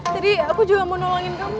jadi aku juga mau nolongin kamu